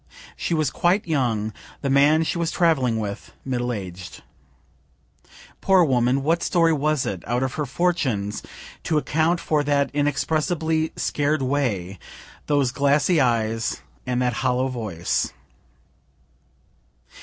She was quite young the man she was traveling with, middle aged. Poor woman what story was it, out of her fortunes, to account for that inexpressibly scared way, those glassy eyes, and that hollow voice?